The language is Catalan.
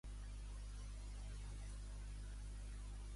Rochester, Washington, va rebre el seu nom de Rochester, Michigan.